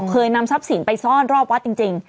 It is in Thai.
นำทรัพย์สินไปซ่อนรอบวัดจริง